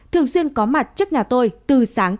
thường xuyên có mặt trước nhà tôi từ sáng